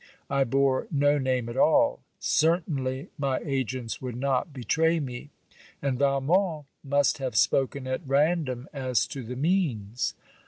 I bore no name at all. Certainly my agents would not betray me. And Valmont must have spoken at random as to the means.